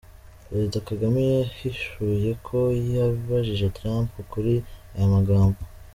Perezida Kagame yahishuye ko yabajije Trump kuri aya magambo